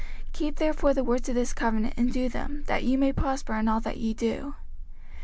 05:029:009 Keep therefore the words of this covenant, and do them, that ye may prosper in all that ye do.